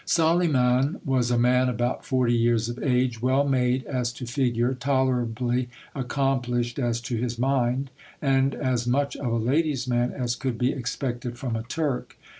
Soliman was a man about forty years of age, well made as to figure, tolerably accomplished as to his mind, and as much of a lady's man as could be expected from a Turk.